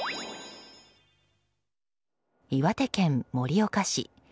岩手県盛岡市。